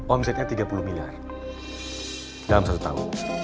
omsetnya tiga puluh miliar dalam satu tahun